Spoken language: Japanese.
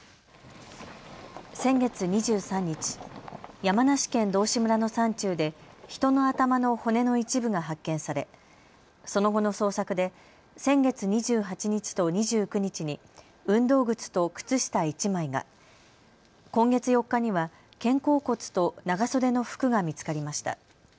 先月２３日、山梨県道志村の山中で人の頭の骨の一部が発見されその後の捜索で先月２８日と２９日に運動靴と靴下１枚が、今月４日には肩甲骨と長袖の服が見つかりました。